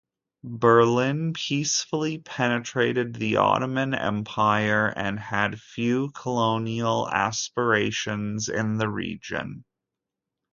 Berlin peacefully penetrated the Ottoman Empire and had few colonial aspirations in the region.